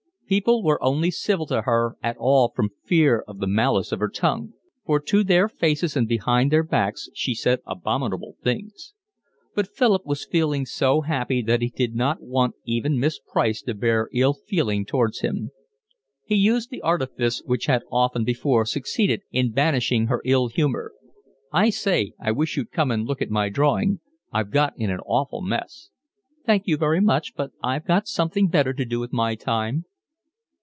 People were only civil to her at all from fear of the malice of her tongue; for to their faces and behind their backs she said abominable things. But Philip was feeling so happy that he did not want even Miss Price to bear ill feeling towards him. He used the artifice which had often before succeeded in banishing her ill humour. "I say, I wish you'd come and look at my drawing. I've got in an awful mess." "Thank you very much, but I've got something better to do with my time."